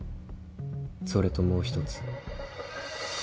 それともう一つ。